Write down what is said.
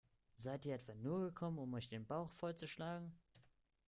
Seid ihr etwa nur gekommen, um euch den Bauch vollzuschlagen?